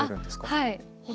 はい。